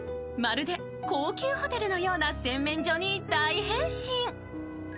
まるで高級ホテルのような洗面所に大変身。